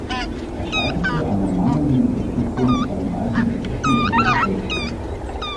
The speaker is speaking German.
Er scheiterte an der mangelnden Unterstützung bei den alten Eliten und der Bevölkerung.